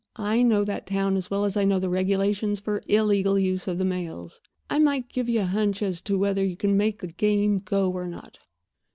I know that town as well as I know the regulations for illegal use of the mails. I might give you a hunch as to whether you can make the game go or not."